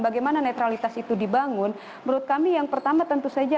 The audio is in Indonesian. bagaimana netralitas itu dibangun menurut kami yang pertama tentu saja